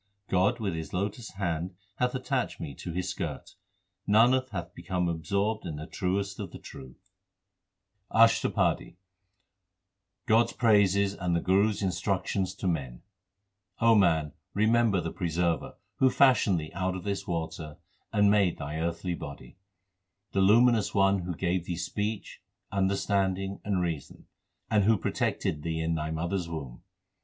God with His lotus hand hath attached me to His skirt. Nanak hath become absorbed in the Truest of the True. 406 THE SIKH RELIGION ASHTAPADI God s praises and the Guru s instructions to men: O man, remember the Preserver, Who fashioned thee out of this water, And made thy earthly body The Luminous One who gave thee speech, understanding, and reason, And who protected thee in thy mother s womb.